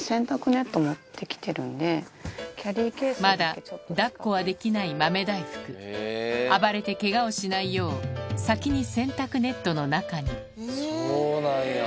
まだ抱っこはできない豆大福暴れてケガをしないよう先に洗濯ネットの中にそうなんや。